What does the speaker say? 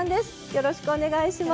よろしくお願いします。